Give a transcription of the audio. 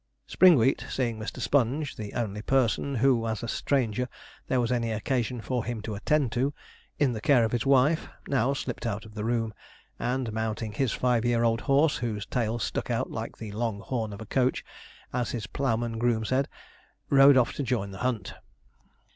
Springwheat, seeing Mr. Sponge, the only person who, as a stranger, there was any occasion for him to attend to, in the care of his wife, now slipped out of the room, and mounting his five year old horse, whose tail stuck out like the long horn of a coach, as his ploughman groom said, rode off to join the hunt.